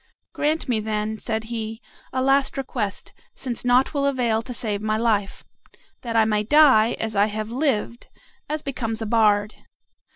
"Grant me, then," said he, "a last request, since nought will avail to save my life, that I may die, as I have lived, as becomes a bard.